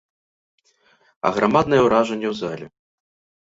Аграмаднае ўражанне ў зале.